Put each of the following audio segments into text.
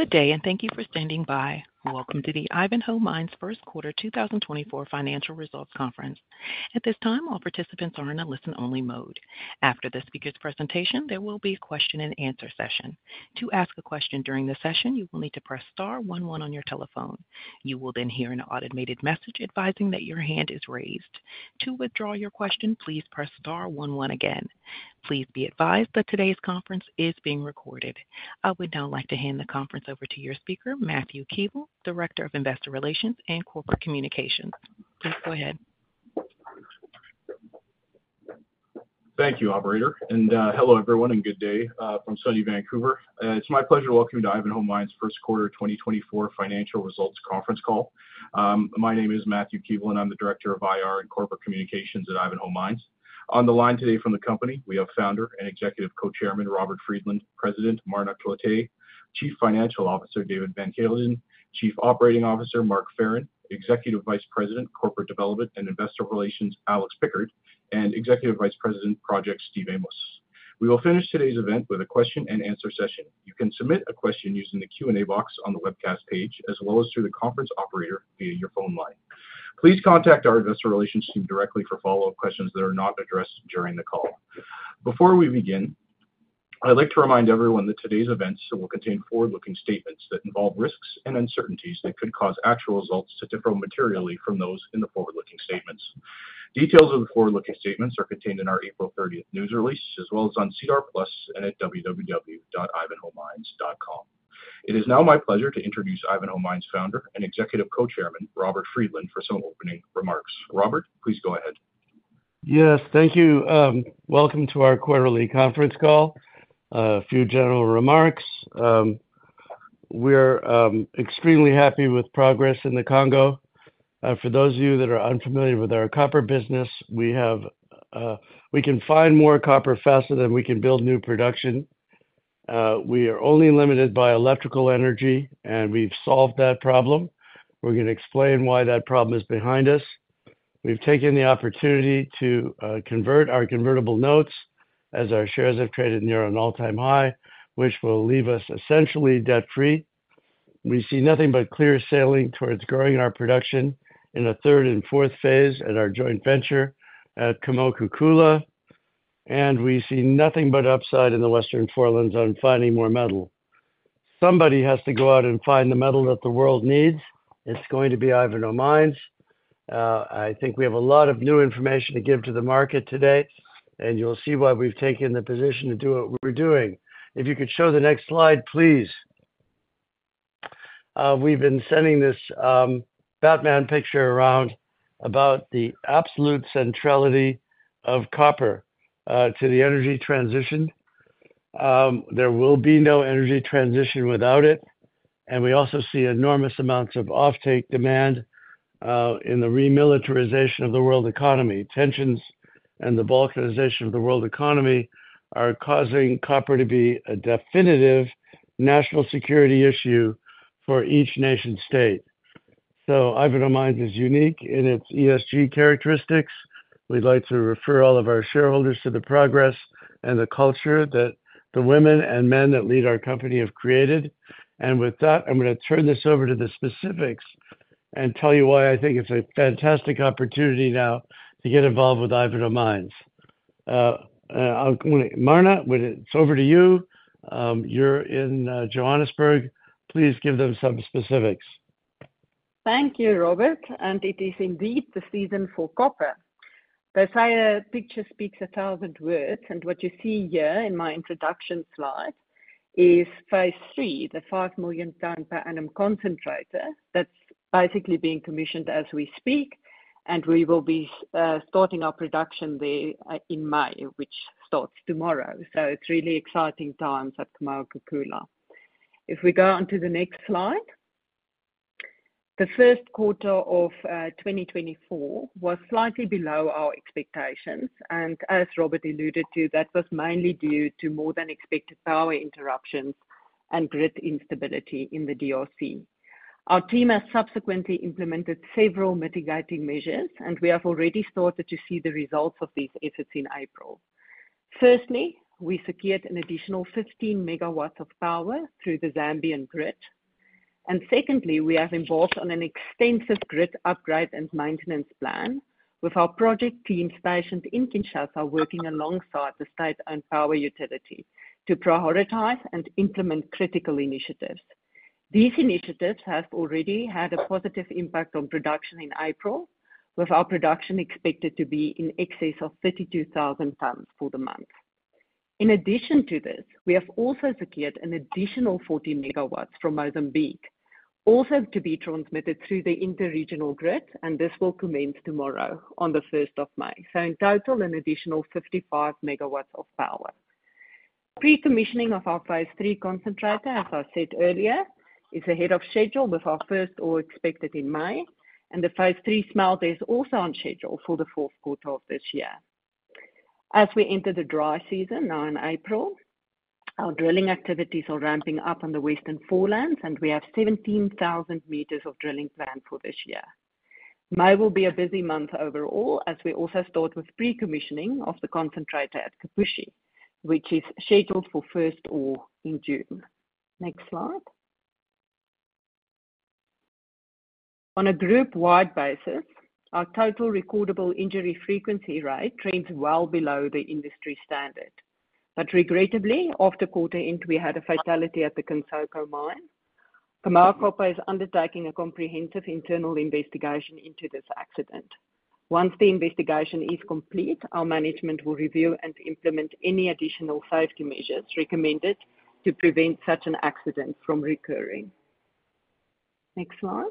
Good day, and thank you for standing by. Welcome to the Ivanhoe Mines first quarter 2024 financial results conference. At this time, all participants are in a listen-only mode. After the speaker's presentation, there will be a question-and-answer session. To ask a question during the session, you will need to press star one one on your telephone. You will then hear an automated message advising that your hand is raised. To withdraw your question, please press star one one again. Please be advised that today's conference is being recorded. I would now like to hand the conference over to your speaker, Matthew Keevil, Director of Investor Relations and Corporate Communications. Please go ahead. Thank you, operator, and hello, everyone, and good day from sunny Vancouver. It's my pleasure to welcome you to Ivanhoe Mines' first quarter 2024 financial results conference call. My name is Matthew Keevil, and I'm the Director of IR and Corporate Communications at Ivanhoe Mines. On the line today from the company, we have Founder and Executive Co-chairman Robert Friedland, President Marna Cloete, Chief Financial Officer David van Heerden, Chief Operating Officer Mark Farren, Executive Vice President, Corporate Development and Investor Relations Alex Pickard, and Executive Vice President Projects Steve Amos. We will finish today's event with a question-and-answer session. You can submit a question using the Q&A box on the webcast page, as well as through the conference operator via your phone line. Please contact our investor relations team directly for follow-up questions that are not addressed during the call. Before we begin, I'd like to remind everyone that today's events will contain forward-looking statements that involve risks and uncertainties that could cause actual results to differ materially from those in the forward-looking statements. Details of the forward-looking statements are contained in our April thirtieth news release, as well as on SEDAR+ and at www.ivanhoemines.com. It is now my pleasure to introduce Ivanhoe Mines Founder and Executive Co-chairman, Robert Friedland, for some opening remarks. Robert, please go ahead. Yes, thank you. Welcome to our quarterly conference call. A few general remarks. We're extremely happy with progress in the Congo. For those of you that are unfamiliar with our copper business, we can find more copper faster than we can build new production. We are only limited by electrical energy, and we've solved that problem. We're gonna explain why that problem is behind us. We've taken the opportunity to convert our convertible notes as our shares have traded near an all-time high, which will leave us essentially debt-free. We see nothing but clear sailing towards growing our production in a third and fourth phase at our joint venture at Kamoa-Kakula, and we see nothing but upside in the Western Forelands on finding more metal. Somebody has to go out and find the metal that the world needs. It's going to be Ivanhoe Mines. I think we have a lot of new information to give to the market today, and you'll see why we've taken the position to do what we're doing. If you could show the next slide, please. We've been sending this Batman picture around about the absolute centrality of copper to the energy transition. There will be no energy transition without it, and we also see enormous amounts of offtake demand in the remilitarization of the world economy. Tensions and the balkanization of the world economy are causing copper to be a definitive national security issue for each nation state. So Ivanhoe Mines is unique in its ESG characteristics. We'd like to refer all of our shareholders to the progress and the culture that the women and men that lead our company have created. With that, I'm gonna turn this over to the specifics and tell you why I think it's a fantastic opportunity now to get involved with Ivanhoe Mines. Marna, it's over to you. You're in Johannesburg. Please give them some specifics. Thank you, Robert, and it is indeed the season for copper. They say a picture speaks 1,000 words, and what you Phase III, the 5 million ton per annum concentrator. That's basically being commissioned as we speak, and we will be starting our production there in May, which starts tomorrow. So it's really exciting times at Kamoa-Kakula. If we go on to the next slide. The first quarter of 2024 was slightly below our expectations, and as Robert alluded to, that was mainly due to more than expected power interruptions and grid instability in the DRC. Our team has subsequently implemented several mitigating measures, and we have already started to see the results of these efforts in April. Firstly, we secured an additional 15 MW of power through the Zambian grid. Secondly, we have embarked on an extensive grid upgrade and maintenance plan with our project team stationed in Kinshasa, working alongside the state-owned power utility to prioritize and implement critical initiatives. These initiatives have already had a positive impact on production in April, with our production expected to be in excess of 32,000 tons for the month. In addition to this, we have also secured an additional 14 MW from Mozambique, also to be transmitted through the inter-regional grid, and this will commence tomorrow on the first of May. In total, an additional Phase III concentrator, as i said earlier, is ahead of schedule, with our Phase III smelter is also on schedule for the fourth quarter of this year. As we enter the dry season now in April, our drilling activities are ramping up on the Western Forelands, and we have 17,000 m of drilling planned for this year. May will be a busy month overall, as we also start with pre-commissioning of the concentrator at Kipushi, which is scheduled for first ore in June. Next slide. On a group-wide basis, our total recordable injury frequency rate trends well below the industry standard. But regrettably, after quarter end, we had a fatality at the Kansoko mine. Kamoa Copper is undertaking a comprehensive internal investigation into this accident. Once the investigation is complete, our management will review and implement any additional safety measures recommended to prevent such an accident from recurring. Next slide.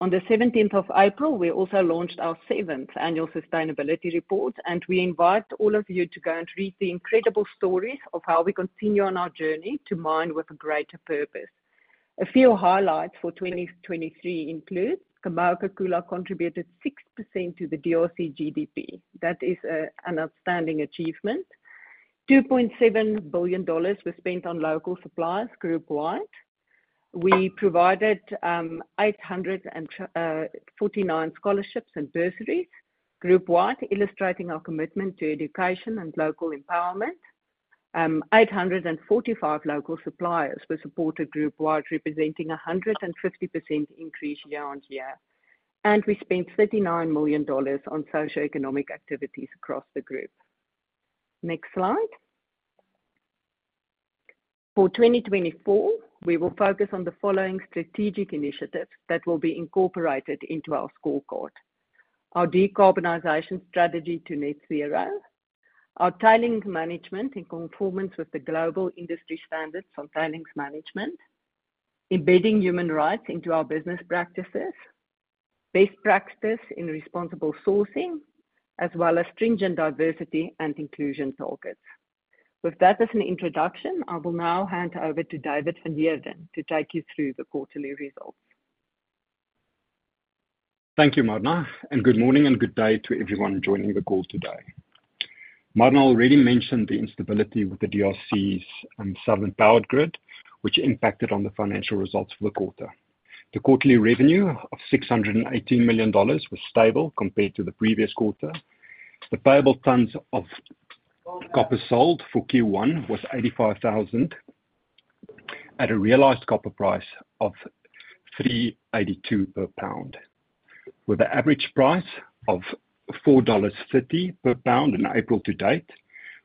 On the seventeenth of April, we also launched our seventh annual sustainability report, and we invite all of you to go and read the incredible stories of how we continue on our journey to mine with a greater purpose. A few highlights for 2023 include, Kamoa-Kakula contributed 6% to the DRC GDP. That is an outstanding achievement. $2.7 billion was spent on local suppliers groupwide. We provided 849 scholarships and bursaries groupwide, illustrating our commitment to education and local empowerment. 845 local suppliers were supported groupwide, representing a 150% increase year-on-year, and we spent $39 million on socioeconomic activities across the group. Next slide. For 2024, we will focus on the following strategic initiatives that will be incorporated into our scorecard. Our decarbonization strategy to net zero, our tailings management in conformance with the global industry standards on tailings management, embedding human rights into our business practices, best practices in responsible sourcing, as well as stringent diversity and inclusion targets. With that as an introduction, I will now hand over to David van Heerden, to take you through the quarterly results. Thank you, Marna, and good morning and good day to everyone joining the call today. Marna already mentioned the instability with the DRC's southern power grid, which impacted on the financial results for the quarter. The quarterly revenue of $618 million was stable compared to the previous quarter. The payable tons of copper sold for Q1 was 85,000, at a realized copper price of $3.82 per pound. With an average price of $4.50 per pound in April to date,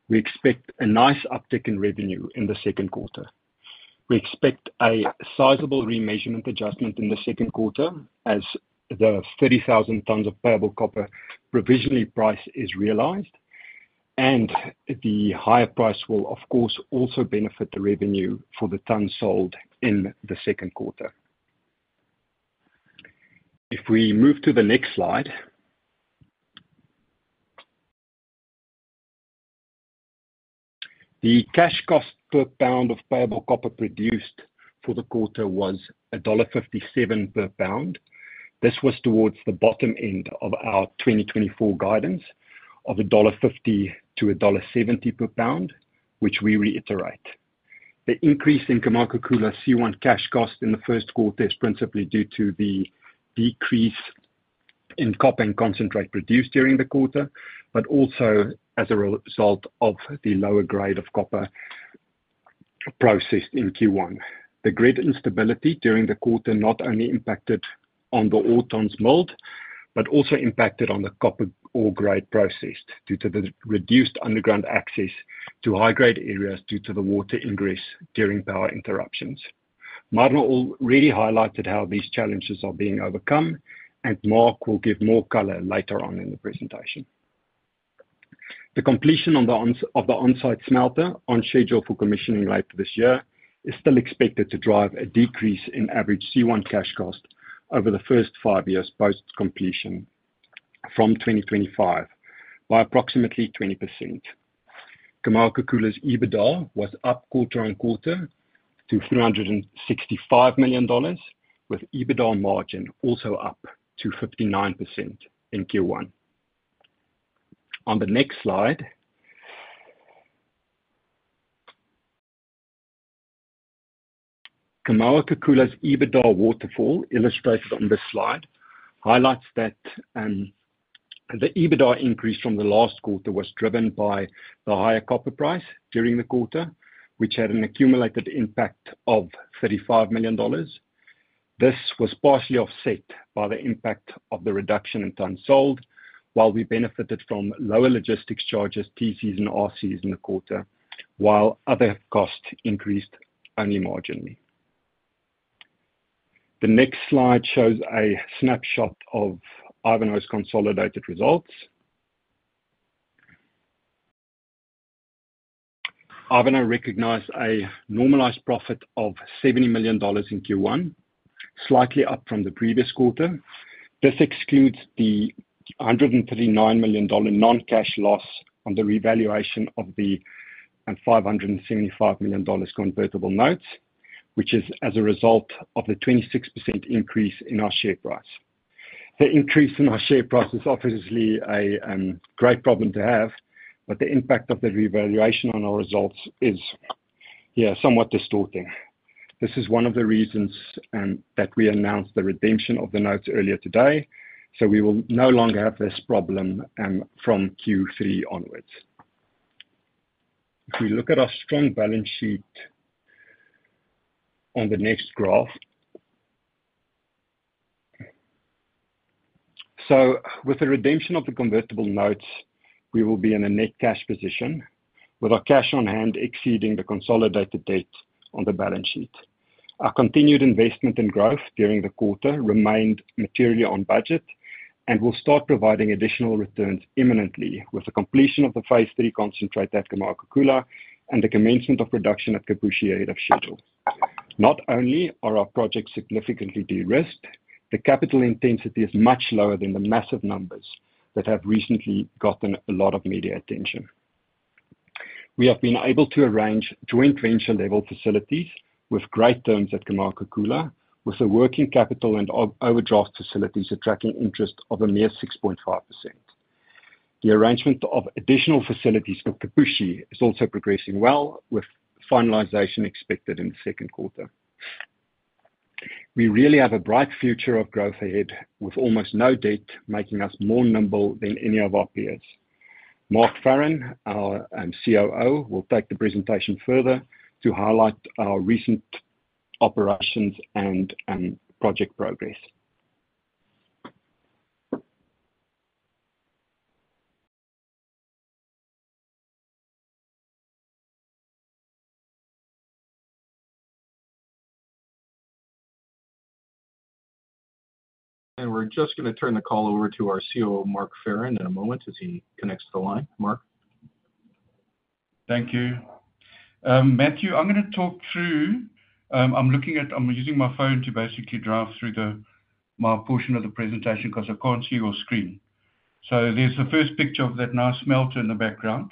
we expect a nice uptick in revenue in the second quarter. We expect a sizable remeasurement adjustment in the second quarter as the 30,000 tons of payable copper provisionally price is realized, and the higher price will, of course, also benefit the revenue for the tons sold in the second quarter. If we move to the next slide. The cash cost per pound of payable copper produced for the quarter was $1.57 per pound. This was towards the bottom end of our 2024 guidance of $1.50-$1.70 per pound, which we reiterate. The increase in Kamoa-Kakula C1 cash cost in the first quarter is principally due to the decrease in copper and concentrate produced during the quarter, but also as a result of the lower grade of copper processed in Q1. The grid instability during the quarter not only impacted on the all tonnes milled, but also impacted on the copper ore grade processed, due to the reduced underground access to high-grade areas, due to the water ingress during power interruptions. Marna already highlighted how these challenges are being overcome, and Mark will give more color later on in the presentation. The completion of the on-site smelter, on schedule for commissioning later this year, is still expected to drive a decrease in average C1 cash cost over the first five years post completion from 2025 by approximately 20%. Kamoa-Kakula's EBITDA was up quarter-on-quarter to $365 million, with EBITDA margin also up to 59% in Q1. On the next slide, Kamoa-Kakula's EBITDA waterfall, illustrated on this slide, highlights that the EBITDA increase from the last quarter was driven by the higher copper price during the quarter, which had an accumulated impact of $35 million. This was partially offset by the impact of the reduction in tons sold, while we benefited from lower logistics charges, TCs, and RCs in the quarter, while other costs increased only marginally. The next slide shows a snapshot of Ivanhoe's consolidated results. Ivanhoe recognized a normalized profit of $70 million in Q1, slightly up from the previous quarter. This excludes the $139 million dollar non-cash loss on the revaluation of the, $575 million convertible notes, which is as a result of the 26% increase in our share price. The increase in our share price is obviously a great problem to have, but the impact of the revaluation on our results is, yeah, somewhat distorting. This is one of the reasons that we announced the redemption of the notes earlier today, so we will no longer have this problem from Q3 onwards. If we look at our strong balance sheet on the next graph. So with the redemption of the convertible notes, we will be in a net cash position, with our cash on hand exceeding the consolidated debt on the balance sheet. Our continued investment in growth during the quarter remained materially on budget, and we'll start providing additional Phase III concentrator at Kamoa-Kakula and the commencement of production at Kipushi ahead of schedule. Not only are our projects significantly de-risked, the capital intensity is much lower than the massive numbers that have recently gotten a lot of media attention. We have been able to arrange joint venture-level facilities with great terms at Kamoa-Kakula, with the working capital and overdraft facilities attracting interest of a mere 6.5%. The arrangement of additional facilities for Kipushi is also progressing well, with finalization expected in the second quarter. We really have a bright future of growth ahead, with almost no debt, making us more nimble than any of our peers. Mark Farren, our COO, will take the presentation further to highlight our recent operations and project progress. We're just gonna turn the call over to our COO, Mark Farren, in a moment as he connects to the line. Mark? Thank you. Matthew, I'm gonna talk through-- I'm looking at-- I'm using my phone to basically draft through the, my portion of the presentation, 'cause I can't see your screen. So there's the first picture of that nice smelter in the background,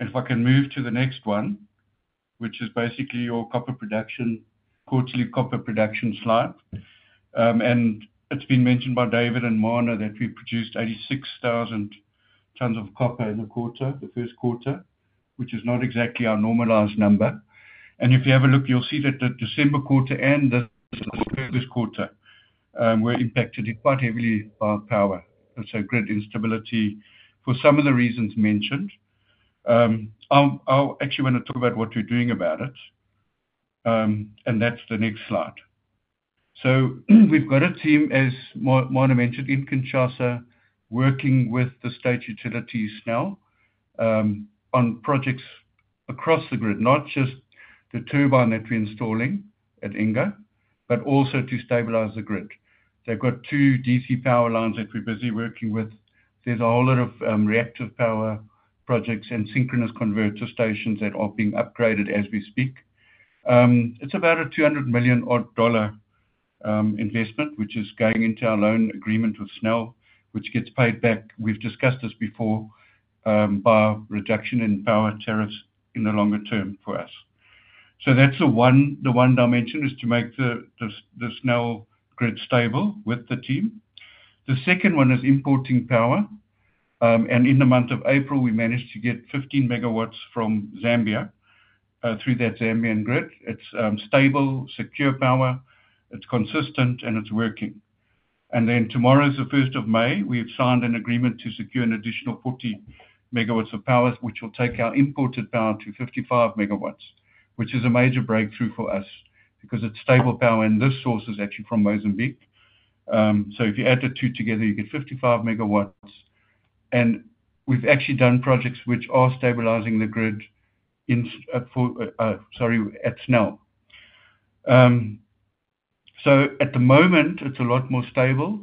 and if I can move to the next one, which is basically your copper production, quarterly copper production slide. And it's been mentioned by David and Marna that we produced 86,000 tons of copper in the quarter, the first quarter, which is not exactly our normalized number. And if you have a look, you'll see that the December quarter and the previous quarter were impacted quite heavily by power. That's a great instability for some of the reasons mentioned. I'll, I'll actually wanna talk about what we're doing about it, and that's the next slide. So we've got a team, as Marna mentioned, in Kinshasa, working with the state utilities now, on projects across the grid, not just the turbine that we're installing at Inga, but also to stabilize the grid. They've got two DC power lines that we're busy working with. There's a whole lot of, reactive power projects and synchronous converter stations that are being upgraded as we speak. It's about a $200 million odd dollar investment, which is going into our loan agreement with SNEL, which gets paid back, we've discussed this before, by reduction in power tariffs in the longer term for us. So that's the one, the one dimension, is to make the SNEL grid stable with the team. The second one is importing power. And in the month of April, we managed to get 15 MW from Zambia through that Zambian grid. It's stable, secure power, it's consistent, and it's working. And then tomorrow is the first of May. We have signed an agreement to secure an additional 40 MW of power, which will take our imported power to 55 MW, which is a major breakthrough for us because it's stable power, and this source is actually from Mozambique. So if you add the two together, you get 55 MW, and we've actually done projects which are stabilizing the grid at SNEL. So at the moment, it's a lot more stable.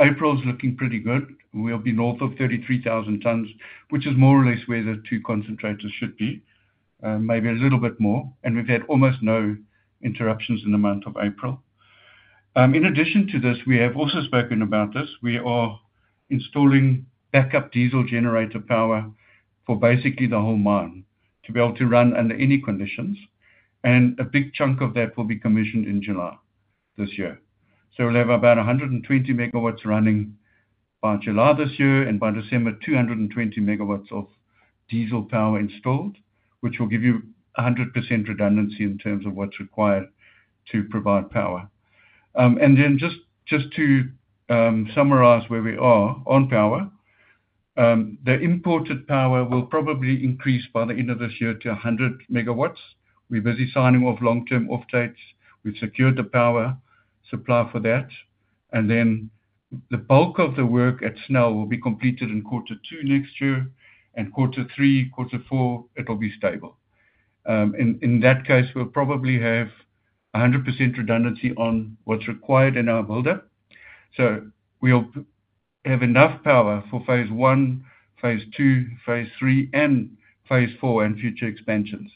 April's looking pretty good. We'll be north of 33,000 tons, which is more or less where the two concentrators should be, maybe a little bit more, and we've had almost no interruptions in the month of April. In addition to this, we have also spoken about this, we are installing backup diesel generator power for basically the whole mine, to be able to run under any conditions, and a big chunk of that will be commissioned in July this year. So we'll have about 120 MW running by July this year, and by December, 220 MW of diesel power installed, which will give you 100% redundancy in terms of what's required to provide power. And then just to summarize where we are on power, the imported power will probably increase by the end of this year to 100 MW. We're busy signing off long-term off-takes. We've secured the power supply for that, and then the bulk of the work at SNEL will be completed in quarter two next year, and quarter three, quarter four, it'll be stable. In that case, we'll probably have 100% redundancy on what's required in our buildup. So we'll Phase IV, and future expansions.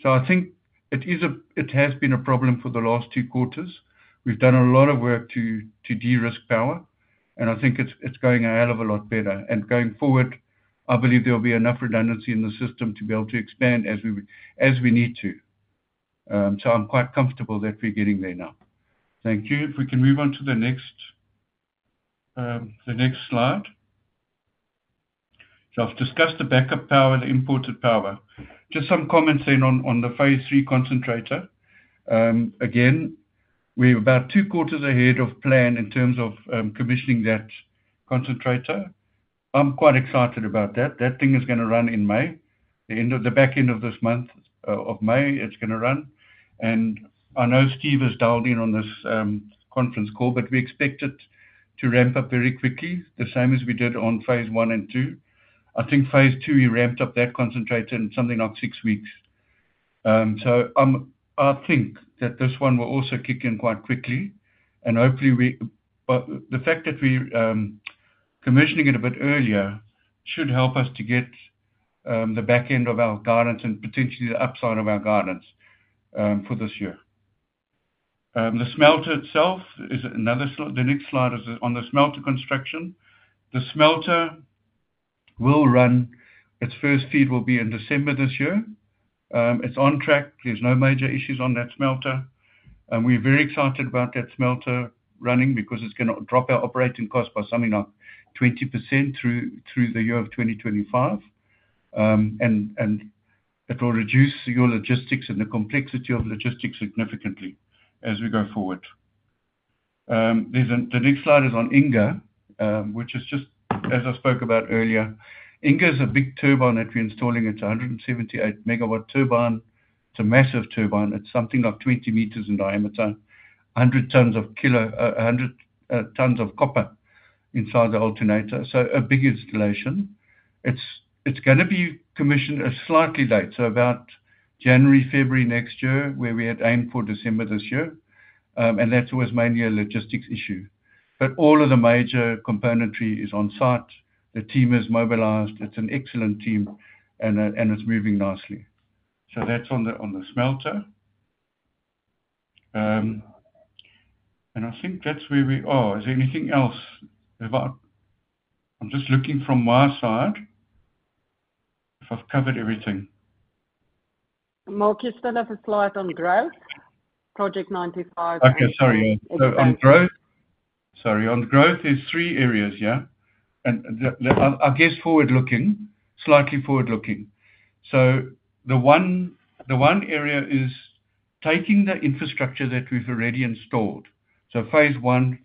so I think it has been a problem for the last two quarters. We've done a lot of work to de-risk power, and I think it's going a hell of a lot better. Going forward, I believe there will be enough redundancy in the system to be able to expand as we need to. So I'm quite comfortable that we're getting there now. Thank you. If we can move on to the next slide. So I've discussed the backup power, the imported Phase III concentrator. again, we're about two quarters ahead of plan in terms of commissioning that concentrator. I'm quite excited about that. That thing is gonna run in May. The end of the back end of this month of May, it's gonna run. And I know Steve is dialed in on this conference call, but we expect it to ramp up very quickly, the same as we did Phase I and II. Phase II, we ramped up that concentrator in something like six weeks. So, I think that this one will also kick in quite quickly, and hopefully. But the fact that we commissioning it a bit earlier should help us to get the back end of our guidance and potentially the upside of our guidance for this year. The smelter itself is another. The next slide is on the smelter construction. The smelter will run, its first feed will be in December this year. It's on track. There's no major issues on that smelter, and we're very excited about that smelter running because it's gonna drop our operating cost by something like 20% through the year of 2025. And it will reduce your logistics and the complexity of logistics significantly as we go forward. The next slide is on Inga, which is just as I spoke about earlier. Inga is a big turbine that we're installing. It's a 178-MW turbine. It's a massive turbine. It's something like 20 m in diameter, 100 tons of copper inside the alternator, so a big installation. It's gonna be commissioned slightly late, so about January, February next year, where we had aimed for December this year. And that was mainly a logistics issue. All of the major componentry is on site. The team is mobilized. It's an excellent team, and it's moving nicely. So that's on the smelter. And I think that's where we are. Is there anything else about... I'm just looking from my side, if I've covered everything. Mark, you still have a slide on growth, Project 95. Okay, sorry. So on growth—sorry, on growth, there's three areas, yeah? And the, the—I guess, forward-looking, slightly forward-looking. So the one area is taking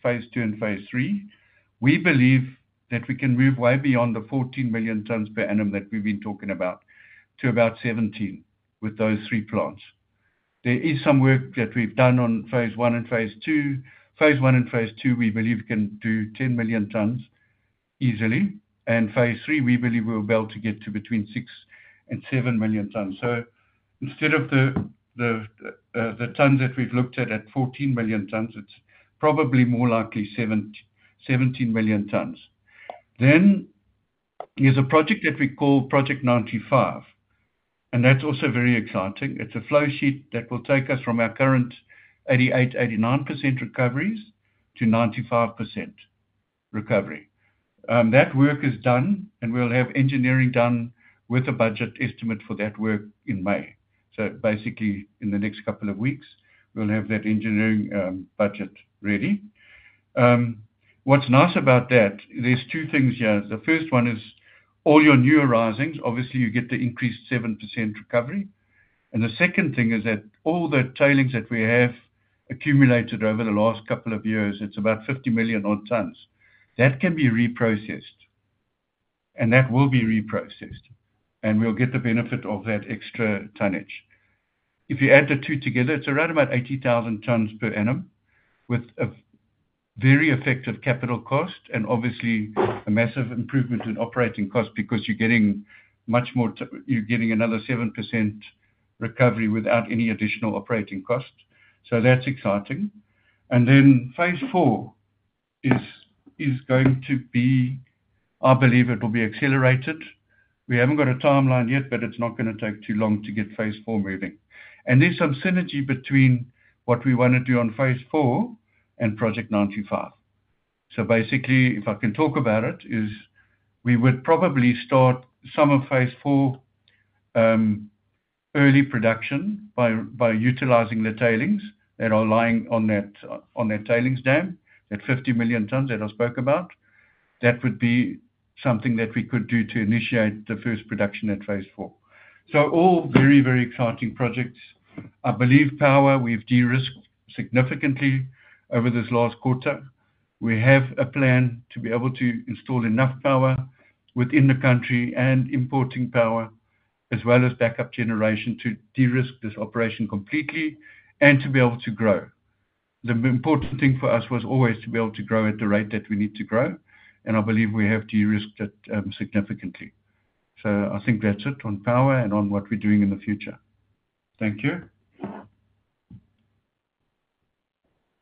Phase III. we believe that we can move way beyond the 14 million tons per annum that we've been talking about, to about 17 with those three plants. There is some work that we've Phase II, we believe we Phase III, we believe we'll be able to get to between 6 and 7 million tons. So instead of the tons that we've looked at, at 14 million tons, it's probably more likely 17 million tons. Then there's a project that we Project 95, and that's also very exciting. It's a flow sheet that will take us from our current 88%-89% recoveries to 95% recovery. That work is done, and we'll have engineering done with a budget estimate for that work in May. So basically, in the next couple of weeks, we'll have that engineering budget ready. What's nice about that, there's two things here. The first one is all your new arisings, obviously, you get the increased 7% recovery. And the second thing is that all the tailings that we have accumulated over the last couple of years, it's about 50 million odd tons. That can be reprocessed, and that will be reprocessed, and we'll get the benefit of that extra tonnage. If you add the two together, it's around about 80,000 tons per annum, with a very effective capital cost and obviously a massive improvement in operating costs, because you're getting much more, you're getting another 7% recovery without any additional operating costs. Phase IV is going to be... I believe it will be accelerated. We haven't got a timeline yet, but it's not gonna take Phase IV moving. there's some synergy Phase IV and Project 95. so basically, if I can talk about it, is we would Phase IV early production by utilizing the tailings that are lying on that, on that tailings dam, that 50 million tons that I spoke about. That would be something that we could do to initiate Phase IV. so all very, very exciting projects. I believe power, we've de-risked significantly over this last quarter. We have a plan to be able to install enough power within the country and importing power, as well as backup generation, to de-risk this operation completely and to be able to grow. The important thing for us was always to be able to grow at the rate that we need to grow, and I believe we have de-risked that, significantly. So I think that's it on power and on what we're doing in the future. Thank you.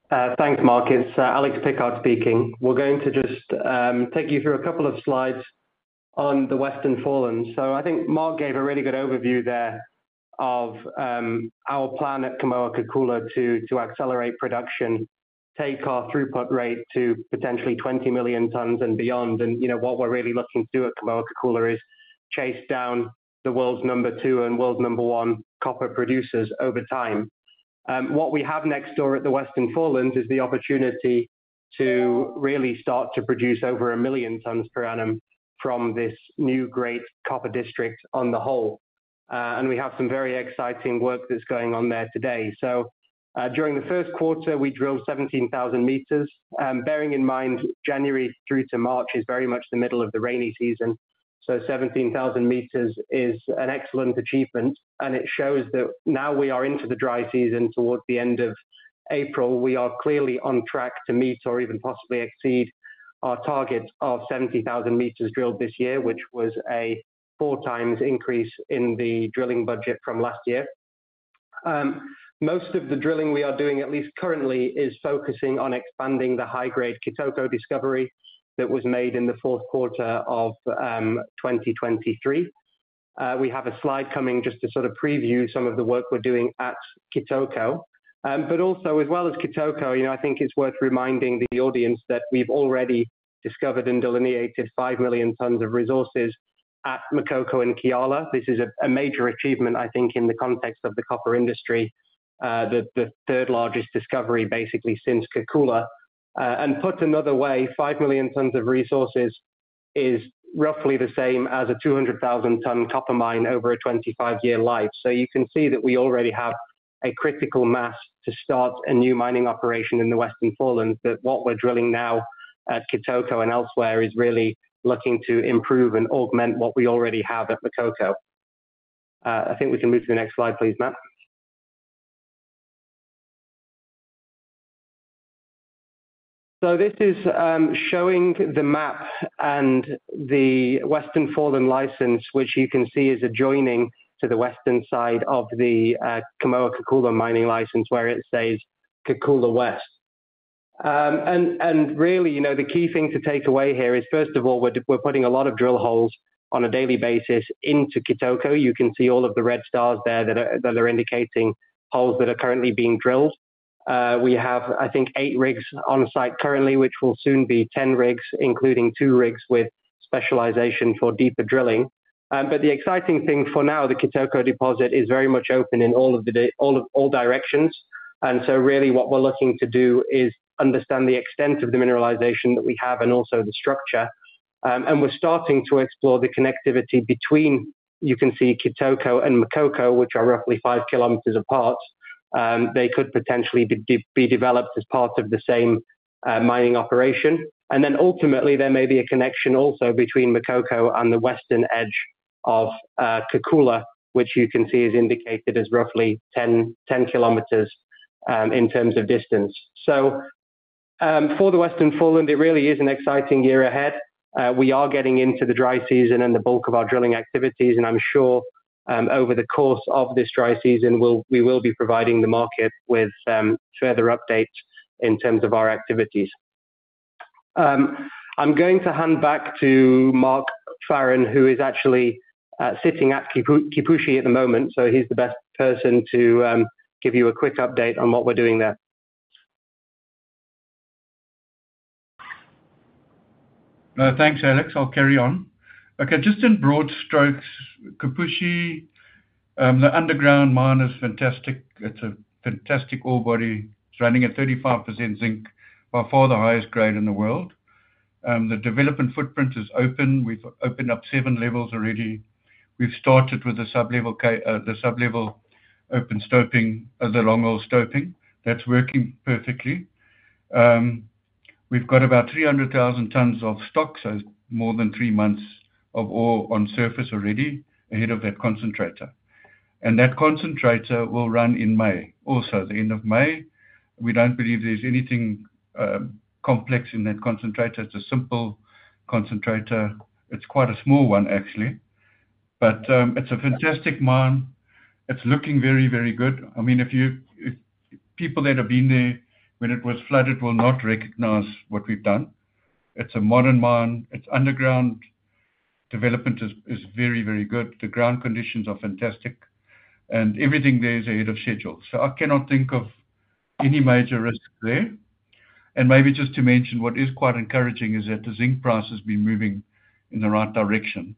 Thanks, Mark. It's Alex Pickard speaking. We're going to just take you through a couple of slides on the Western Forelands. So I think Mark gave a really good overview there of our plan at Kamoa-Kakula to accelerate production, take our throughput rate to potentially 20 million tons and beyond. And, you know, what we're really looking to do at Kamoa-Kakula is chase down the world's number two and world number one copper producers over time. What we have next door at the Western Forelands is the opportunity to really start to produce over 1 million tons per annum from this new great copper district on the whole. And we have some very exciting work that's going on there today. So, during the first quarter, we drilled 17,000 m. Bearing in mind, January through to March is very much the middle of the rainy season, so 17,000 m is an excellent achievement, and it shows that now we are into the dry season towards the end of April, we are clearly on track to meet or even possibly exceed our target of 70,000 m drilled this year, which was a 4x increase in the drilling budget from last year. Most of the drilling we are doing, at least currently, is focusing on expanding the high-grade Kitoko discovery that was made in the fourth quarter of 2023. We have a slide coming just to sort of preview some of the work we're doing at Kitoko. But also as well as Kitoko, you know, I think it's worth reminding the audience that we've already discovered and delineated 5 million tons of resources at Makoko and Kiala. This is a major achievement, I think, in the context of the copper industry, the third largest discovery, basically, since Kakula. And put another way, 5 million tons of resources is roughly the same as a 200,000-ton copper mine over a 25-year life. So you can see that we already have a critical mass to start a new mining operation in the Western Forelands, that what we're drilling now at Kitoko and elsewhere is really looking to improve and augment what we already have at Makoko. I think we can move to the next slide, please, Matt. So this is showing the map and the Western Forelands license, which you can see is adjoining to the western side of the Kamoa-Kakula mining license, where it says Kakula West. And really, you know, the key thing to take away here is, first of all, we're putting a lot of drill holes on a daily basis into Kitoko. You can see all of the red stars there that are indicating holes that are currently being drilled. We have, I think, eight rigs on site currently, which will soon be 10 rigs, including two rigs with specialization for deeper drilling. But the exciting thing for now, the Kitoko deposit is very much open in all directions. Really what we're looking to do is understand the extent of the mineralization that we have and also the structure. We're starting to explore the connectivity between, you can see Kitoko and Makoko, which are roughly 5 km apart. They could potentially be developed as part of the same mining operation. And then ultimately, there may be a connection also between Makoko and the western edge of Kakula, which you can see is indicated as roughly 10 km in terms of distance. So, for the Western Forelands, it really is an exciting year ahead. We are getting into the dry season and the bulk of our drilling activities, and I'm sure over the course of this dry season, we will be providing the market with further updates in terms of our activities. I'm going to hand back to Mark Farren, who is actually sitting at Kipushi at the moment, so he's the best person to give you a quick update on what we're doing there. Thanks, Alex. I'll carry on. Okay, just in broad strokes, Kipushi, the underground mine is fantastic. It's a fantastic ore body. It's running at 35% zinc, by far the highest grade in the world. The development footprint is open. We've opened up seven levels already. We've started with the sub-level open stoping, the long-hole stoping. That's working perfectly. We've got about 300,000 tons of stock, so more than three months of ore on surface already ahead of that concentrator. And that concentrator will run in May, also the end of May. We don't believe there's anything complex in that concentrator. It's a simple concentrator. It's quite a small one, actually. But, it's a fantastic mine. It's looking very, very good. I mean, if people that have been there when it was flooded will not recognize what we've done. It's a modern mine. Its underground development is very, very good. The ground conditions are fantastic, and everything there is ahead of schedule. So I cannot think of any major risks there. And maybe just to mention, what is quite encouraging is that the zinc price has been moving in the right direction,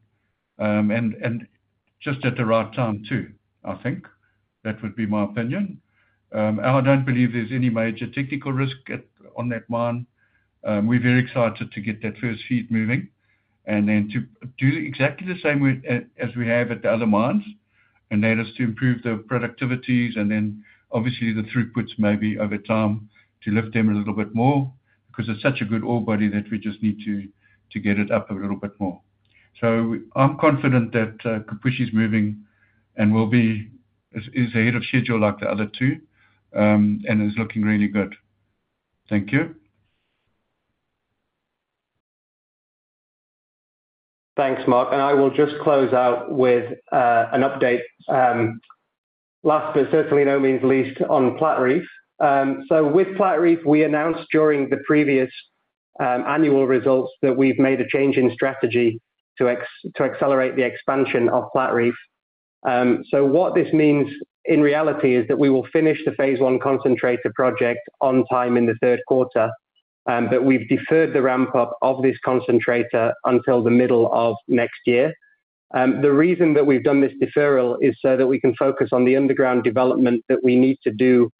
and just at the right time, too, I think. That would be my opinion. I don't believe there's any major technical risk at on that mine. We're very excited to get that first fleet moving, and then to do exactly the same with, as we have at the other mines, and that is to improve the productivities, and then obviously the throughputs may be over time, to lift them a little bit more, because it's such a good ore body that we just need to get it up a little bit more. So I'm confident that, Kipushi is moving and is ahead of schedule like the other two, and is looking really good. Thank you. Thanks, Mark, and I will just close out with an update, last, but certainly by no means least, on Platreef. So with Platreef, we announced during the previous annual results that we've made a change in strategy to accelerate the expansion of Platreef. So what this means in reality is that we will finish Phase I concentrator project on time in the third quarter, but we've deferred the ramp-up of this concentrator until the middle of next year. The reason that we've done this deferral is so that we can focus on the underground development that we need to do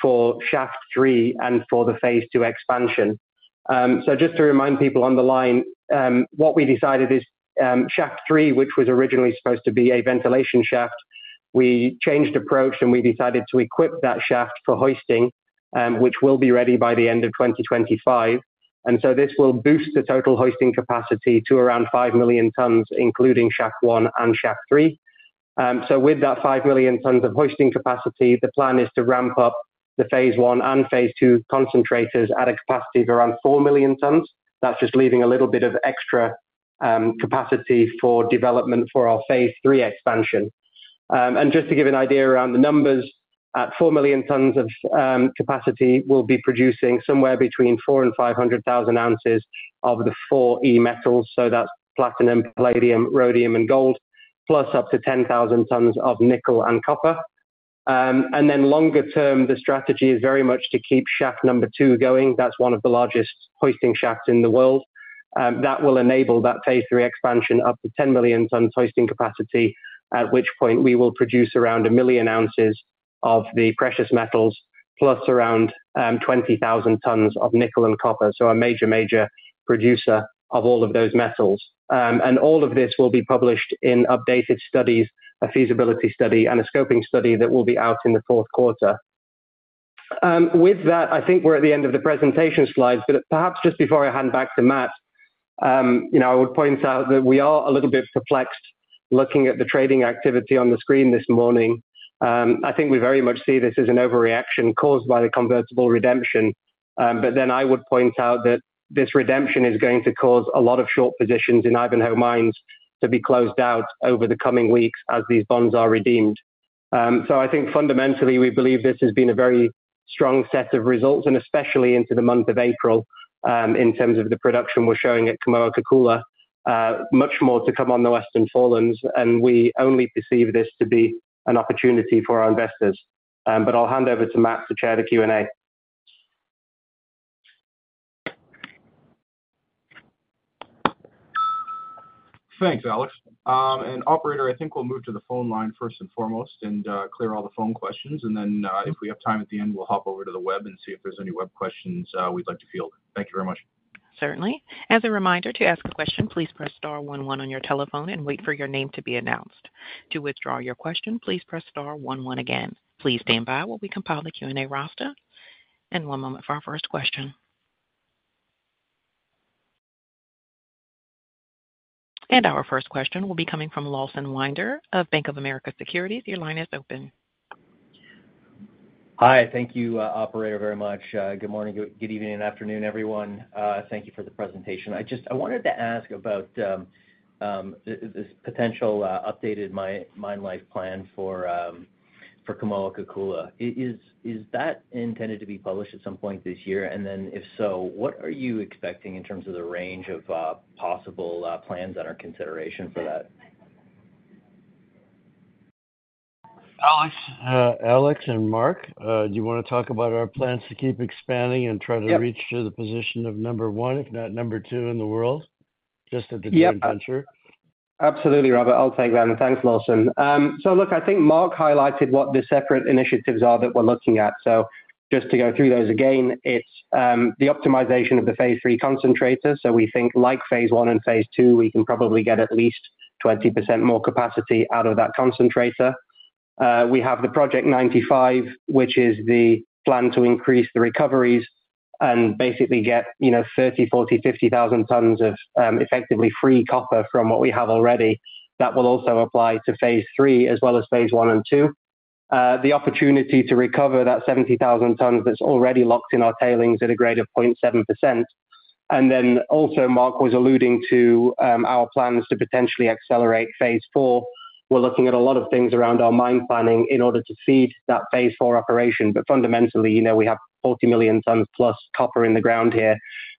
for Shaft 3 and for Phase II expansion. So just to remind people on the line, what we decided is, Shaft 3, which was originally supposed to be a ventilation shaft, we changed approach, and we decided to equip that shaft for hoisting, which will be ready by the end of 2025. So this will boost the total hoisting capacity to around 5 million tons, including Shaft 1 and Shaft 3. So with that 5 million tons of hoisting capacity, the plan is to ramp Phase II concentrators at a capacity of around 4 million tons. That's just leaving a little bit of extra capacity for development for Phase III expansion. And just to give an idea around the numbers, at 4 million tons of capacity, we'll be producing somewhere between 400,000 and 500,000 ounces of the 4E metals, so that's platinum, palladium, rhodium, and gold, plus up to 10,000 tons of nickel and copper. And then longer term, the strategy is very much to keep Shaft 2 going. That's one of the largest hoisting shafts Phase III expansion up to 10 million tons hoisting capacity, at which point we will produce around 1 million ounces of the precious metals, plus around 20,000 tons of nickel and copper, so a major, major producer of all of those metals. And all of this will be published in updated studies, a feasibility study, and a scoping study that will be out in the fourth quarter. With that, I think we're at the end of the presentation slides, but perhaps just before I hand back to Matt, you know, I would point out that we are a little bit perplexed looking at the trading activity on the screen this morning. I think we very much see this as an overreaction caused by the convertible redemption. But then I would point out that this redemption is going to cause a lot of short positions in Ivanhoe Mines to be closed out over the coming weeks as these bonds are redeemed. So I think fundamentally, we believe this has been a very strong set of results, and especially into the month of April, in terms of the production we're showing at Kamoa-Kakula. Much more to come on the Western Forelands, and we only perceive this to be an opportunity for our investors. But I'll hand over to Matt to chair the Q&A. Thanks, Alex. And operator, I think we'll move to the phone line first and foremost and clear all the phone questions, and then, if we have time at the end, we'll hop over to the web and see if there's any web questions we'd like to field. Thank you very much. Certainly. As a reminder, to ask a question, please press star one one on your telephone and wait for your name to be announced. To withdraw your question, please press star one one again. Please stand by while we compile the Q&A roster. One moment for our first question. Our first question will be coming from Lawson Winder of Bank of America Securities. Your line is open. Hi. Thank you, operator, very much. Good morning, good evening, and afternoon, everyone. Thank you for the presentation. I just... I wanted to ask about, this potential, updated mine life plan for, for Kamoa-Kakula. Is, is that intended to be published at some point this year? And then, if so, what are you expecting in terms of the range of, possible, plans that are in consideration for that? Alex, Alex and Mark, do you wanna talk about our plans to keep expanding and try to reach to the position of number one, if not number two in the world, just at the venture? Yep. Absolutely, Robert. I'll take that, and thanks, Lawson. So look, I think Mark highlighted what the separate initiatives are that we're looking at. So just to go through Phase III concentrator. so we phase ii, we can probably get at least 20% more capacity out of that concentrator. We haveProject 95, which is the plan to increase the recoveries and basically get, you know, 30,000-50,000 tons of effectively free copper from what we Phase III as well Phase I and II. the opportunity to recover that 70,000 tons that's already locked in our tailings at a grade of 0.7%. And then also, Mark was alluding to our plans to potentially accelerate Phase IV. We're looking at a lot of things around our mine planning in Phase IV operation. but fundamentally, you know, we have 40 million tons plus copper in the ground here.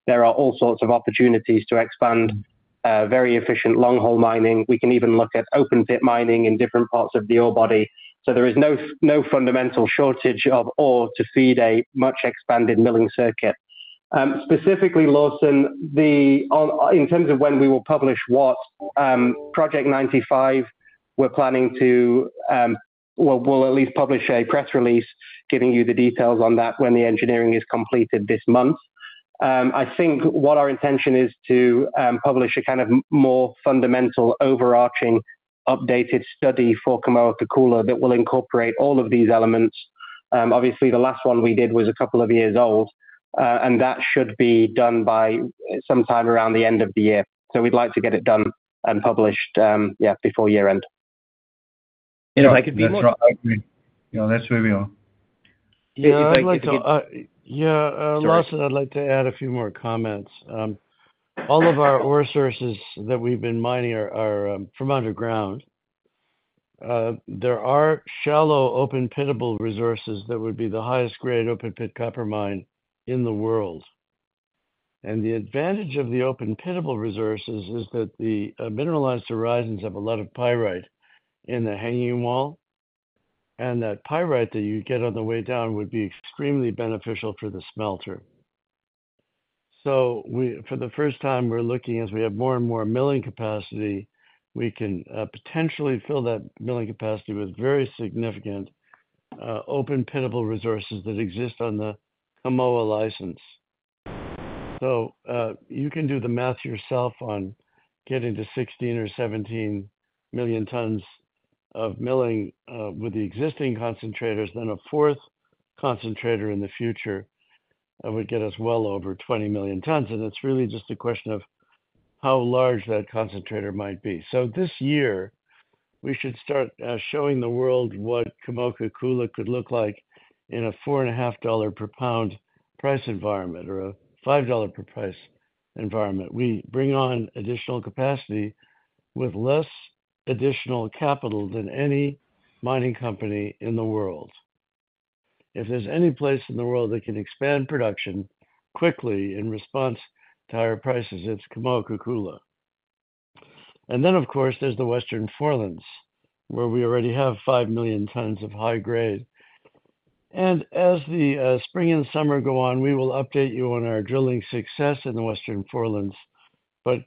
There are all sorts of opportunities to expand very efficient long-hole mining. We can even look at open pit mining in different parts of the ore body. So there is no fundamental shortage of ore to feed a much expanded milling circuit. Specifically, Lawson, in terms of when we will publish Project 95, we're planning to well, we'll at least publish a press release giving you the details on that when the engineering is completed this month. I think what our intention is to publish a kind of more fundamental, overarching, updated study for Kamoa-Kakula that will incorporate all of these elements. Obviously, the last one we did was a couple of years old, and that should be done by sometime around the end of the year. So we'd like to get it done and published, yeah, before year-end. You know, that's right. I agree. You know, that's where we are. I'd like to, yeah, Lawson I'd like to add a few more comments. All of our ore sources that we've been mining are from underground. There are shallow, open-pittable resources that would be the highest grade open pit copper mine in the world. And the advantage of the open-pittable resources is that the mineralized horizons have a lot of pyrite in the hanging wall, and that pyrite that you get on the way down would be extremely beneficial for the smelter. So, for the first time, we're looking, as we have more and more milling capacity, we can potentially fill that milling capacity with very significant open-pittable resources that exist on the Kamoa license. So, you can do the math yourself on getting to 16 or 17 million tons of milling, with the existing concentrators, then a fourth concentrator in the future, that would get us well over 20 million tons. And it's really just a question of how large that concentrator might be. So this year, we should start showing the world what Kamoa-Kakula could look like in a $4.50 per pound price environment or a $5 per pound price environment. We bring on additional capacity with less additional capital than any mining company in the world. If there's any place in the world that can expand production quickly in response to higher prices, it's Kamoa-Kakula. And then, of course, there's the Western Forelands, where we already have 5 million tons of high grade. As the spring and summer go on, we will update you on our drilling success in the Western Forelands.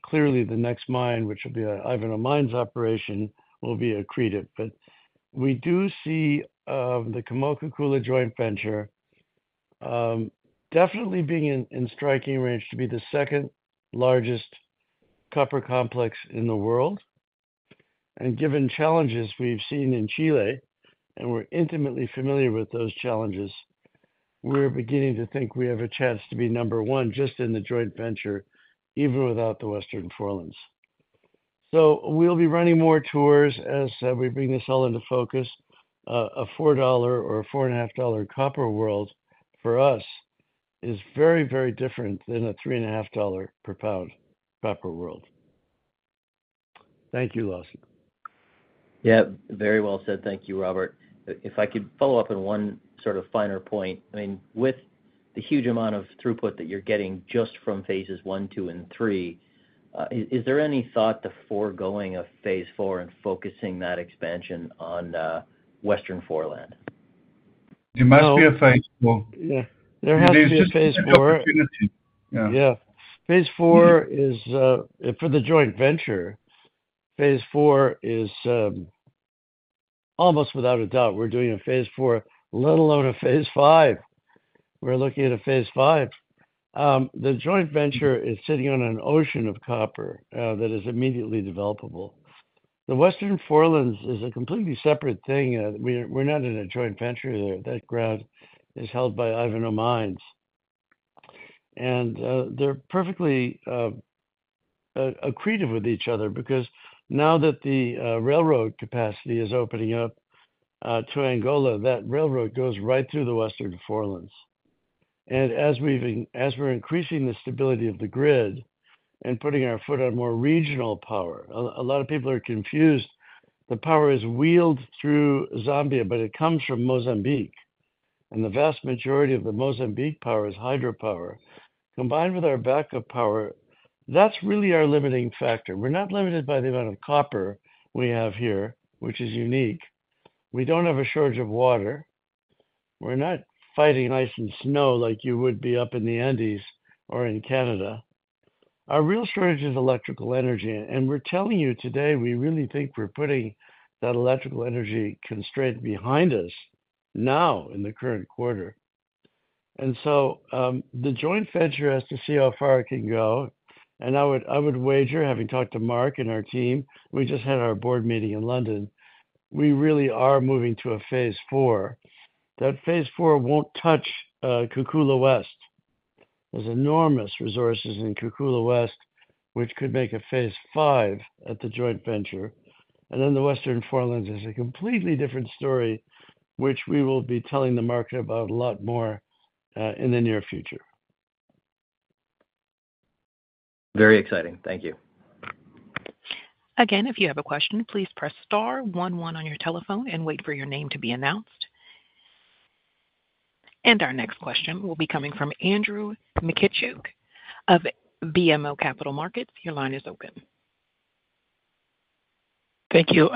Clearly, the next mine, which will be an Ivanhoe Mines operation, will be accreted. We do see the Kamoa-Kakula joint venture definitely being in striking range to be the second largest copper complex in the world. Given challenges we've seen in Chile, and we're intimately familiar with those challenges, we're beginning to think we have a chance to be number one, just in the joint venture, even without the Western Forelands. We'll be running more tours as we bring this all into focus. A $4 or $4.5 copper world, for us, is very, very different than a $3.5 per pound copper world. Thank you, Lawson. Yeah, very well said. Thank you, Robert. If I could follow up on one sort of finer point. I mean, with the huge amount of throughput that you're getting just from Phases I, II, and III, is there any Phase IV and focusing that expansion on Western Foreland? there must be a Phase IV. Yeah, there has to be a Phase IV. Opportunity. Yeah. Phase IV is, almost without a Phase IV, let alone a Phase V. We're looking at a Phase V. The joint venture is sitting on an ocean of copper, that is immediately developable. The Western Forelands is a completely separate thing. We're not in a joint venture there. That ground is held by Ivanhoe Mines. And, they're perfectly accreted with each other because now that the railroad capacity is opening up, to Angola, that railroad goes right through the Western Forelands. And as we're increasing the stability of the grid and putting our foot on more regional power, a lot of people are confused. The power is wheeled through Zambia, but it comes from Mozambique, and the vast majority of the Mozambique power is hydropower. Combined with our backup power, that's really our limiting factor. We're not limited by the amount of copper we have here, which is unique. We don't have a shortage of water. We're not fighting ice and snow like you would be up in the Andes or in Canada. Our real shortage is electrical energy, and we're telling you today, we really think we're putting that electrical energy constraint behind us now in the current quarter. And so, the joint venture has to see how far it can go, and I would, I would wager, having talked to Mark and our team, we just had our board meeting in London, we really Phase IV won't touch Kakula West. There's enormous resources in Kakula West, which could make a Phase V at the joint venture, and then the Western Forelands is a completely different story, which we will be telling the market about a lot more in the near future. Very exciting. Thank you. Again, if you have a question, please press star one one on your telephone and wait for your name to be announced. Our next question will be coming from Andrew Mikitchook of BMO Capital Markets. Your line is open. Thank you.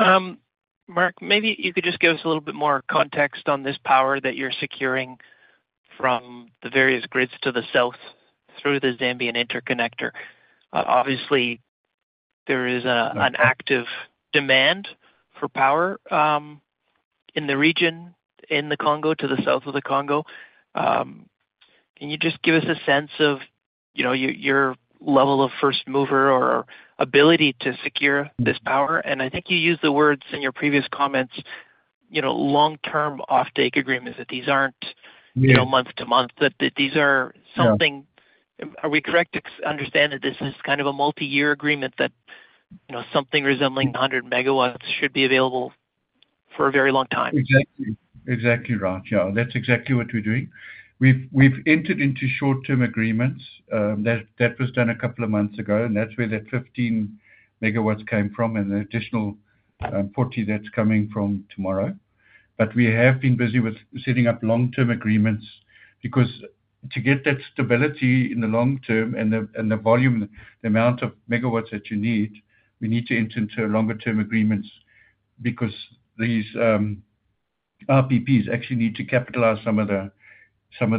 Mark, maybe you could just give us a little bit more context on this power that you're securing from the various grids to the south through the Zambian interconnector. Obviously, there is an active demand for power in the region, in the Congo, to the south of the Congo. Can you just give us a sense of, you know, your, your level of first mover or ability to secure this power? And I think you used the words in your previous comments, you know, long-term offtake agreements, that these aren't, you know, month to month, that these are something. Are we correct to understand that this is kind of a multi-year agreement that, you know, something resembling 100 MW should be available for a very long time? Exactly. Exactly, right. Yeah, that's exactly what we're doing. We've entered into short-term agreements that was done a couple of months ago, and that's where that 15 MW came from, and the additional 40 MW that's coming from tomorrow. But we have been busy with setting up long-term agreements, because to get that stability in the long term and the volume, the amount of megawatts that you need, we need to enter into longer term agreements. Because these IPPs actually need to capitalize some of the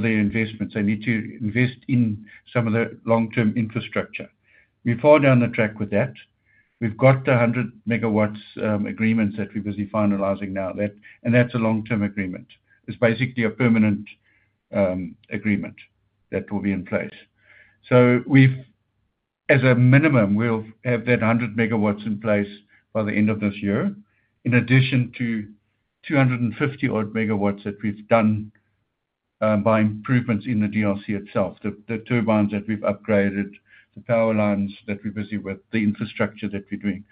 investments. They need to invest in some of the long-term infrastructure. We're far down the track with that. We've got 100 MW agreements that we're busy finalizing now. That and that's a long-term agreement. It's basically a permanent agreement that will be in place. So we've—as a minimum, we'll have that 100 MW in place by the end of this year, in addition to 250-odd megawatts that we've done by improvements in the DRC itself, the turbines that we've upgraded, the power lines that we're busy with, the infrastructure that we're doing.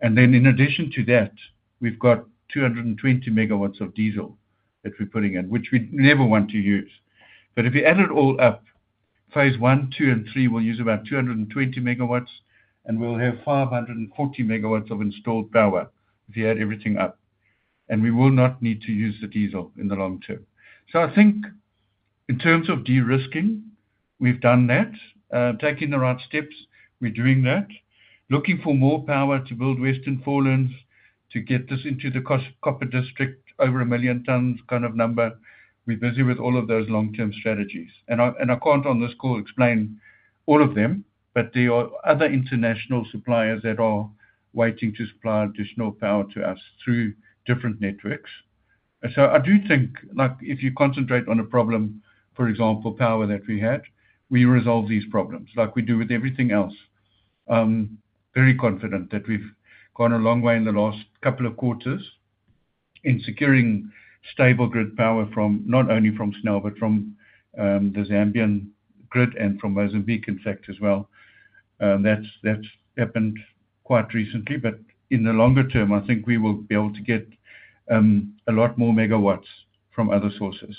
And then in addition to that, we've got 220 MW of diesel that we're putting in, which we never want to use. But if you add it all Phase I, II, and III will use about 220 MW, and we'll have 540 MW of installed power if you add everything up, and we will not need to use the diesel in the long term. So I think in terms of de-risking, we've done that. Taking the right steps, we're doing that. Looking for more power to build Western Forelands, to get this into the Copper District, over 1 million tons kind of number. We're busy with all of those long-term strategies, and I, and I can't, on this call, explain all of them, but there are other international suppliers that are waiting to supply additional power to us through different networks. And so I do think, like, if you concentrate on a problem, for example, power that we had, we resolve these problems like we do with everything else. Very confident that we've gone a long way in the last couple of quarters in securing stable grid power from, not only from SNEL, but from the Zambian grid and from Mozambique, in fact, as well. That's happened quite recently, but in the longer term, I think we will be able to get a lot more megawatts from other sources.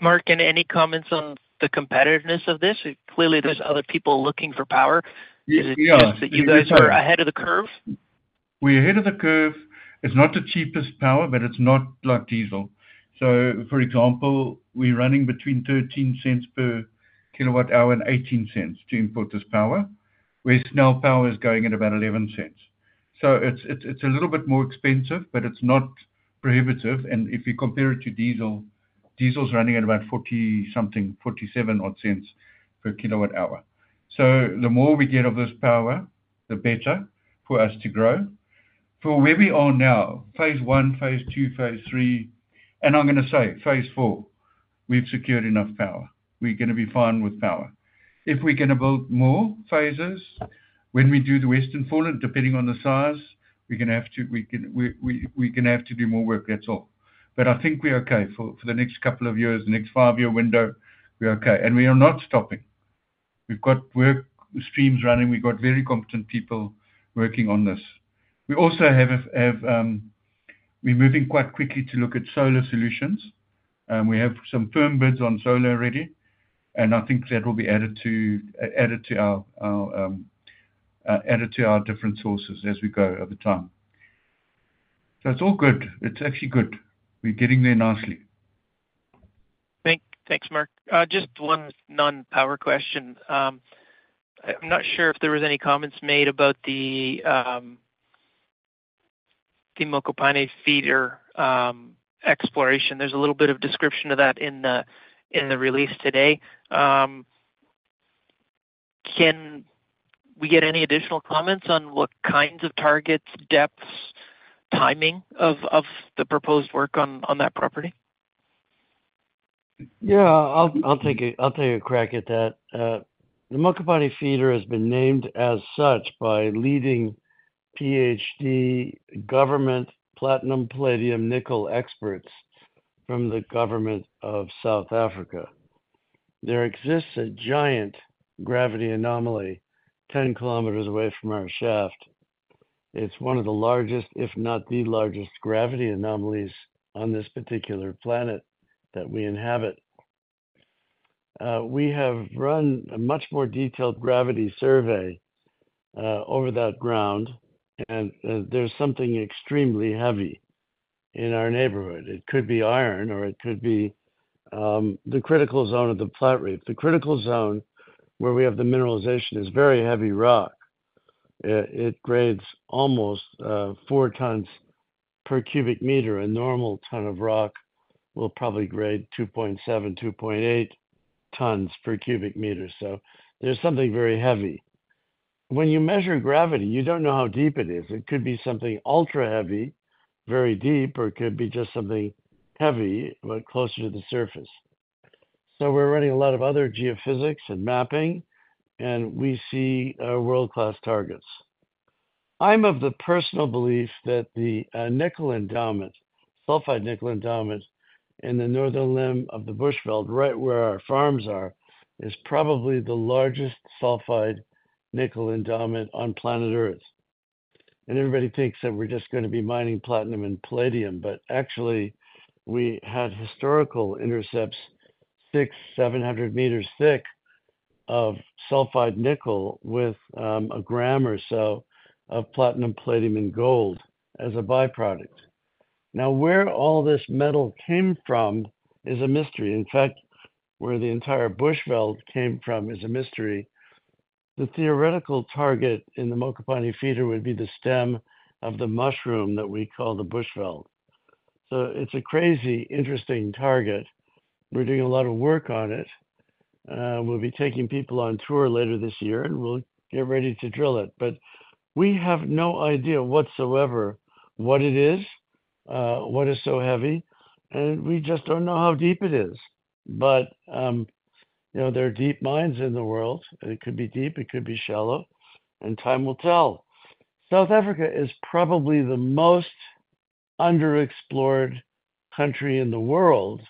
Mark, any comments on the competitiveness of this? Clearly, there's other people looking for power. Is it just that you guys are ahead of the curve? We're ahead of the curve. It's not the cheapest power, but it's not like diesel. So for example, we're running between $0.13 per kWh and $0.18 to import this power, where SNEL is going at about $0.11. So it's a little bit more expensive, but it's not prohibitive. And if you compare it to diesel, diesel's running at about $0.40-something, $0.47-odd per kWh. So the more we get of this power, the better Phase III, and I'm Phase IV, we've secured enough power. we're gonna be fine with power. If we're gonna build more phases, when we do the Western Forelands, depending on the size, we're gonna have to do more work, that's all. But I think we're okay for the next couple of years, the next five-year window, we're okay. We are not stopping. We've got work streams running, we've got very competent people working on this. We also have, we're moving quite quickly to look at solar solutions, we have some firm bids on solar already, and I think that will be added to our different sources as we go over time. It's all good. It's actually good. We're getting there nicely. Thanks, Mark. Just one non-power question. I'm not sure if there was any comments made about the Mokopane Feeder exploration. There's a little bit of description of that in the release today. Can we get any additional comments on what kinds of targets, depths, timing of the proposed work on that property? Yeah. I'll take a crack at that. The Mokopane Feeder has been named as such by leading PhD government, platinum, palladium, nickel experts from the government of South Africa. There exists a giant gravity anomaly 10 km away from our shaft. It's one of the largest, if not the largest, gravity anomalies on this particular planet that we inhabit. We have run a much more detailed gravity survey over that ground, and there's something extremely heavy in our neighborhood. It could be iron, or it could be the Critical Zone of the Platreef. The Critical Zone where we have the mineralization is very heavy rock. It grades almost four tons per cubic meter. A normal ton of rock will probably grade 2.7-2.8 tons per cubic meter, so there's something very heavy. When you measure gravity, you don't know how deep it is. It could be something ultra-heavy, very deep, or it could be just something heavy, but closer to the surface. So we're running a lot of other geophysics and mapping, and we see world-class targets. I'm of the personal belief that the nickel endowment, sulfide nickel endowment in the Northern Limb of the Bushveld, right where our farms are, is probably the largest sulfide nickel endowment on planet Earth. And everybody thinks that we're just gonna be mining platinum and palladium, but actually, we have historical intercepts 600-700 m thick of sulfide nickel with a gram or so of platinum, palladium, and gold as a byproduct. Now, where all this metal came from is a mystery. In fact, where the entire Bushveld came from is a mystery. The theoretical target in the Mokopane Feeder would be the stem of the mushroom that we call the Bushveld. So it's a crazy, interesting target. We're doing a lot of work on it, we'll be taking people on tour later this year, and we'll get ready to drill it. But we have no idea whatsoever what it is, what is so heavy, and we just don't know how deep it is. But, you know, there are deep mines in the world, and it could be deep, it could be shallow, and time will tell. South Africa is probably the most underexplored country in the world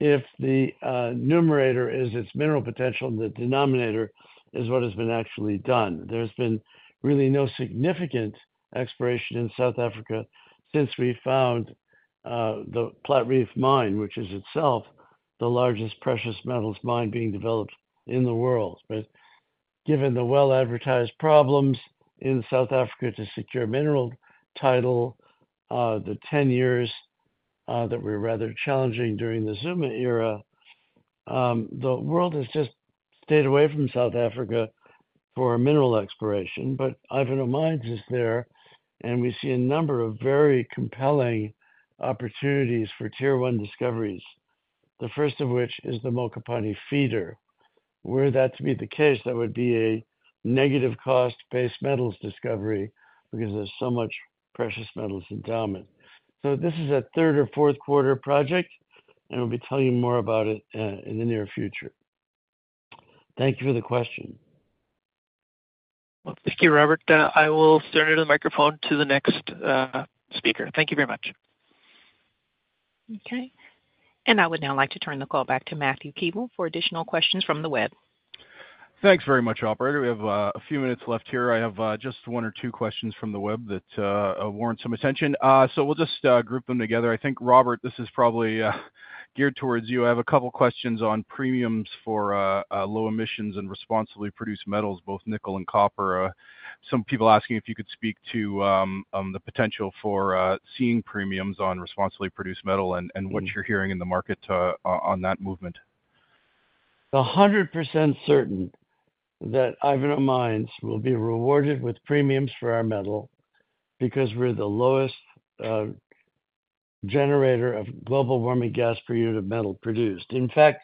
if the numerator is its mineral potential and the denominator is what has been actually done. There's been really no significant exploration in South Africa since we found the Platreef mine, which is itself the largest precious metals mine being developed in the world. But given the well-advertised problems in South Africa to secure mineral title, the 10 years that were rather challenging during the Zuma era, the world has just stayed away from South Africa for mineral exploration. But Ivanhoe Mines is there, and we see a number of very compelling opportunities for Tier 1 discoveries, the first of which is the Mokopane Feeder. Were that to be the case, that would be a negative cost base metals discovery because there's so much precious metals endowment. So this is a third or fourth quarter project, and we'll be telling you more about it in the near future. Thank you for the question. Well, thank you, Robert. I will turn it to the microphone to the next speaker. Thank you very much. Okay, and I would now like to turn the call back to Matthew Keevil for additional questions from the web. Thanks very much, operator. We have a few minutes left here. I have just one or two questions from the web that warrant some attention. We'll just group them together. I think, Robert, this is probably geared towards you. I have a couple questions on premiums for low emissions and responsibly produced metals, both nickel and copper. Some people asking if you could speak to the potential for seeing premiums on responsibly produced metal and what you're hearing in the market on that movement. 100% certain that Ivanhoe Mines will be rewarded with premiums for our metal because we're the lowest, generator of global warming gas per unit of metal produced. In fact,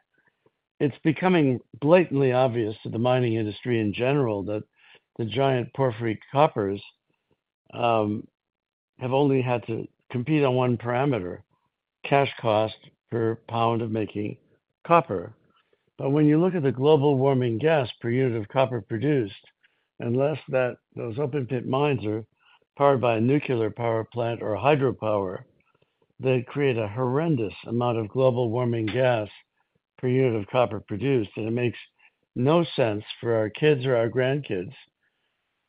it's becoming blatantly obvious to the mining industry in general that the giant porphyry coppers, have only had to compete on one parameter, cash cost per pound of making copper. But when you look at the global warming gas per unit of copper produced, unless that, those open pit mines are powered by a nuclear power plant or a hydropower, they create a horrendous amount of global warming gas per unit of copper produced. And it makes no sense for our kids or our grandkids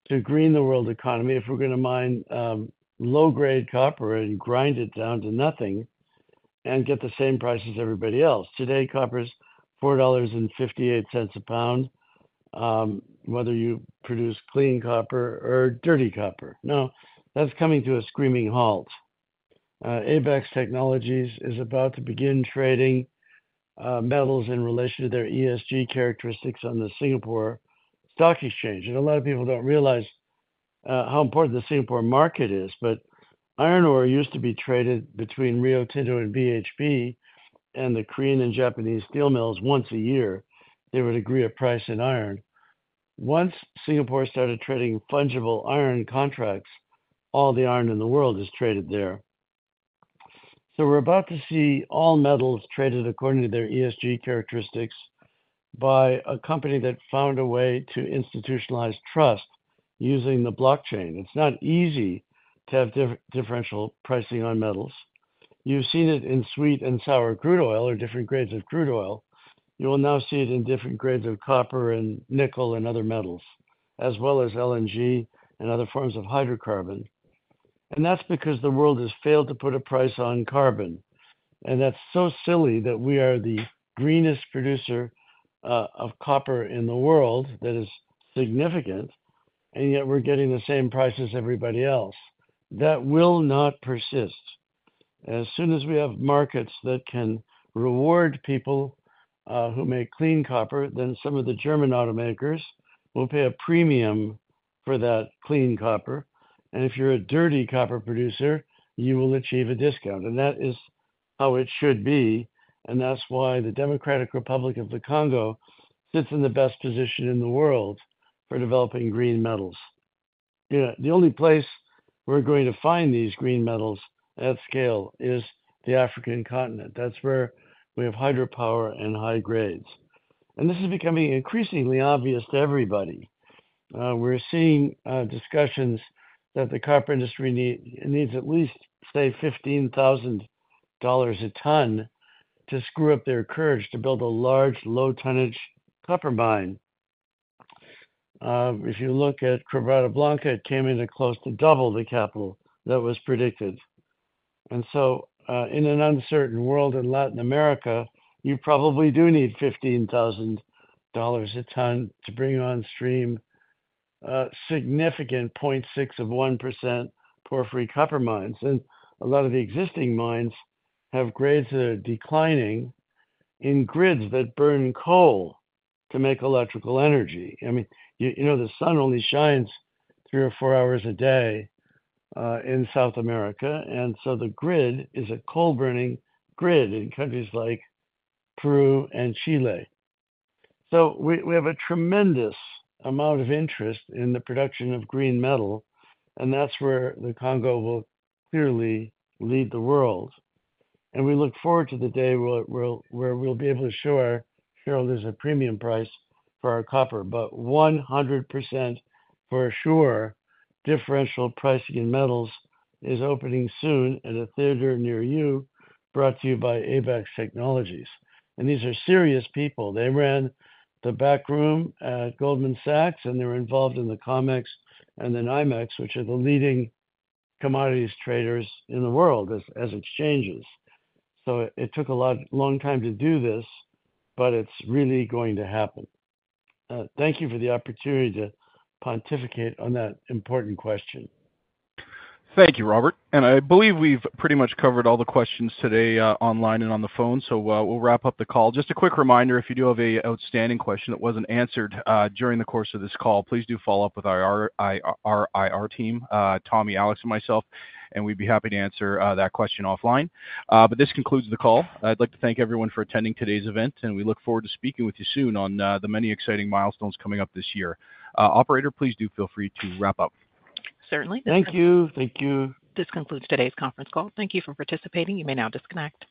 to green the world economy if we're gonna mine, low-grade copper and grind it down to nothing and get the same price as everybody else. Today, copper is $4.58 a pound, whether you produce clean copper or dirty copper. Now, that's coming to a screaming halt. Abaxx Technologies is about to begin trading metals in relation to their ESG characteristics on the Singapore Stock Exchange. A lot of people don't realize how important the Singapore market is, but iron ore used to be traded between Rio Tinto and BHP, and the Korean and Japanese steel mills once a year, they would agree a price in iron. Once Singapore started trading fungible iron contracts, all the iron in the world is traded there. So we're about to see all metals traded according to their ESG characteristics by a company that found a way to institutionalize trust using the blockchain. It's not easy to have differential pricing on metals. You've seen it in sweet and sour crude oil or different grades of crude oil. You will now see it in different grades of copper and nickel and other metals, as well as LNG and other forms of hydrocarbon. And that's because the world has failed to put a price on carbon, and that's so silly that we are the greenest producer of copper in the world. That is significant, and yet we're getting the same price as everybody else. That will not persist. As soon as we have markets that can reward people who make clean copper, then some of the German automakers will pay a premium for that clean copper. And if you're a dirty copper producer, you will achieve a discount. And that is how it should be, and that's why the Democratic Republic of the Congo sits in the best position in the world for developing green metals. You know, the only place we're going to find these green metals at scale is the African continent. That's where we have hydropower and high grades. And this is becoming increasingly obvious to everybody. We're seeing discussions that the copper industry needs at least, say, $15,000 a ton to screw up their courage to build a large, low-tonnage copper mine. If you look at Quebrada Blanca, it came in at close to double the capital that was predicted. And so, in an uncertain world in Latin America, you probably do need $15,000 a ton to bring on stream significant 0.6% porphyry copper mines. A lot of the existing mines have grades that are declining in grids that burn coal to make electrical energy. I mean, you know, the sun only shines three or four hours a day in South America, and so the grid is a coal-burning grid in countries like Peru and Chile. So we have a tremendous amount of interest in the production of green metal, and that's where the Congo will clearly lead the world. And we look forward to the day where we'll be able to show our shareholders a premium price for our copper. But 100% for sure, differential pricing in metals is opening soon at a theater near you, brought to you by Abaxx Technologies. And these are serious people. They ran the backroom at Goldman Sachs, and they were involved in the COMEX and the NYMEX, which are the leading commodities traders in the world as exchanges. So it took a long time to do this, but it's really going to happen. Thank you for the opportunity to pontificate on that important question. Thank you, Robert. I believe we've pretty much covered all the questions today, online and on the phone, so, we'll wrap up the call. Just a quick reminder, if you do have a outstanding question that wasn't answered, during the course of this call, please do follow up with our IR team, Tommy, Alex, and myself, and we'd be happy to answer, that question offline. This concludes the call. I'd like to thank everyone for attending today's event, and we look forward to speaking with you soon on, the many exciting milestones coming up this year. Operator, please do feel free to wrap up. Certainly. Thank you. Thank you. This concludes today's conference call. Thank you for participating. You may now disconnect.